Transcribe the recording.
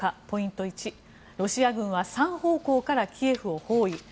ポイント１、ロシア軍は３方向からキエフを包囲。